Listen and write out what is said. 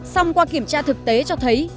xong qua kiểm tra thực tế cho thấy